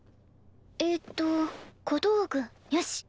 えっと小道具よし。